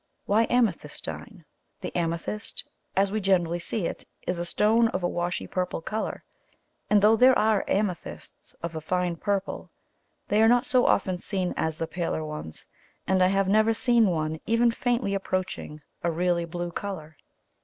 Why amethystine? The amethyst, as we generally see it, is a stone of a washy purple colour, and though there are amethysts of a fine purple, they are not so often seen as the paler ones, and I have never seen one even faintly approaching a really blue colour.